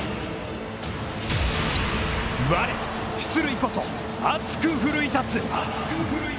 我、出塁こそ熱く奮い立つ。